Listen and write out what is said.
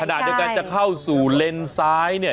ขณะเดียวกันจะเข้าสู่เลนซ้ายเนี่ย